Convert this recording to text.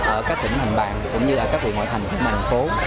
ở các tỉnh thành bàn cũng như ở các vùng ngoại thành trong thành phố